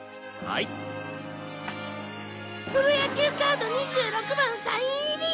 プロ野球カード２６番サイン入り！